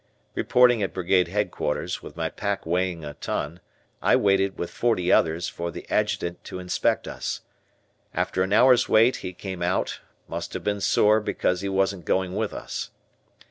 Reporting at Brigade Headquarters, with my pack weighing a ton, I waited, with forty others for the Adjutant to inspect us. After an hour's wait, he came out; must have been sore because he wasn't going with us.